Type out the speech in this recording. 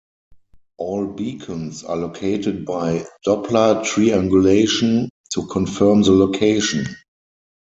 All beacons are located by doppler triangulation to confirm the location.